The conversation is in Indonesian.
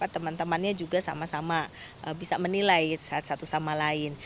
teman temannya juga sama sama bisa menilai satu sama lain